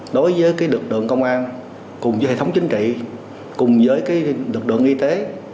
đối với lực lượng công an cùng với hệ thống chính trị cùng với lực lượng y tế